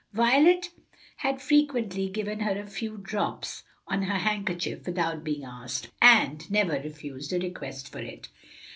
Violet had frequently given her a few drops on her handkerchief without being asked, and never refused a request for it.